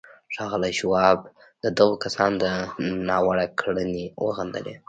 ښاغلي شواب د دغو کسانو دا ناوړه کړنې وغندلې.